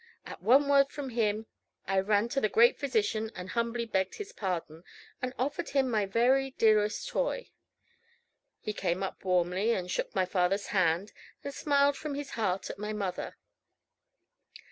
At one word from him, I ran to the great physician, and humbly begged his pardon, and offered him my very dearest toy. He came up warmly, and shook my father's hand, and smiled from his heart at my mother.